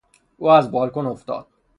او از بالکن افتاد.